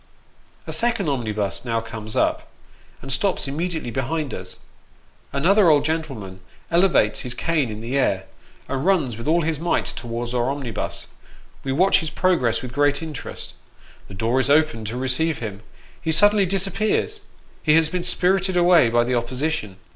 A second omnibus now comes up, and stops immediately behind us. Another old gentleman elevates his cane in the air, and runs with all his might towards our omnibus ; we watch his progress with great interest ; the door is opened to receive him, he suddenly disappears he has been spirited away by the opposition.